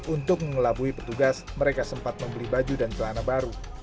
untuk mengelabui petugas mereka sempat membeli baju dan celana baru